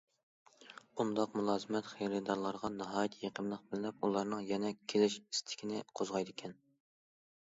بۇنداق مۇلازىمەت خېرىدارلارغا ناھايىتى يېقىملىق بىلىنىپ، ئۇلارنىڭ يەنە كېلىش ئىستىكىنى قوزغايدىكەن.